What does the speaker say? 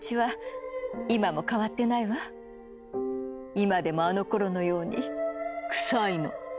今でもあのころのようにクサいの。